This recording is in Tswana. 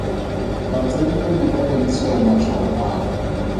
Batsadi ba ne ba bontshiwa matshwao ao.